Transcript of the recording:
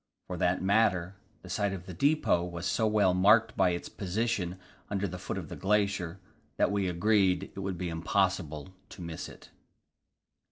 For that matter, the site of the depot was so well marked by its position under the foot of the glacier that we agreed it would be impossible to miss it.